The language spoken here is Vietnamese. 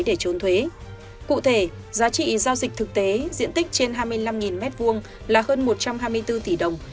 để trốn thuế cụ thể giá trị giao dịch thực tế diện tích trên hai mươi năm m hai là hơn một trăm hai mươi bốn tỷ đồng